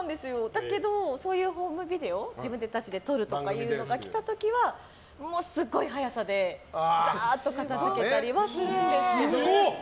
だけど、そういうホームビデオ自分たちで撮るとかが来た時は、すごい速さでザーッと片づけたりはするんですけど。